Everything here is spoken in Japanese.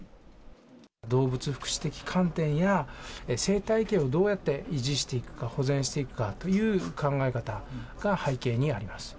動物福祉的観点や、生態系をどうやって維持していくか、保全していくかという考え方が背景にあります。